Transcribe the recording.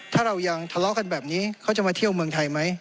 ถ้าเรายังทะเลาะกันแบบนี้เขาจะมาเที่ยวเมืองไทยไหม